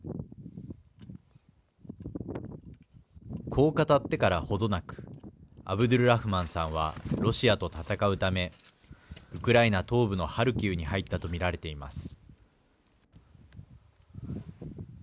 こう語ってから程なくアブドゥルラフマンさんはロシアと戦うためウクライナ東部のハルキウに入ったと見られています。